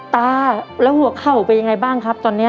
ตาแล้วหัวเข่าเป็นยังไงบ้างครับตอนนี้